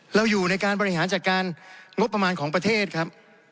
เราอยู่ในการบริหารจัดการงบประมาณของประเทศครับ